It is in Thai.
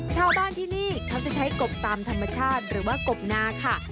ชาวบ้านที่นี่เขาจะใช้กบตามธรรมชาติหรือว่ากบนาค่ะ